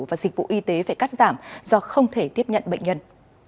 và dịch vụ y tế phải cắt giảm do không thể tiếp nhận bệnh nhân